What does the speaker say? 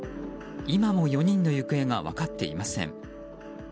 今も４人の行方が分かっていません。